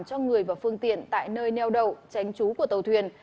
cho người vào phương tiện tại nơi neo đầu tránh trú của tàu thuyền